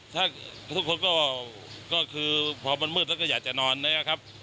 ถ้าทุกคนก็คือพอมันมืดแล้วก็อยากจะนอนนะครับ